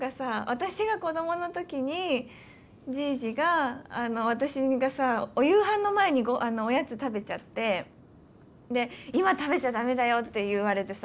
私が子供の時にじいじが私がさお夕飯の前におやつ食べちゃってで今食べちゃ駄目だよって言われてさ